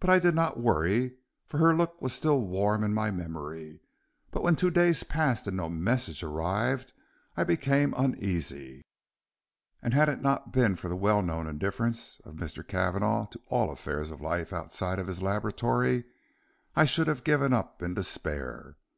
but I did not worry, for her look was still warm in my memory. But when two days passed and no message arrived I became uneasy, and had it not been for the well known indifference of Mr. Cavanagh to all affairs of life outside of his laboratory, I should have given up in despair.